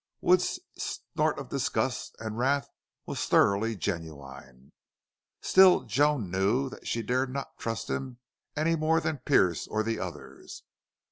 Wood's snort of disgust and wrath was thoroughly genuine. Still Joan knew that she dared not trust him, any more than Pearce or the others.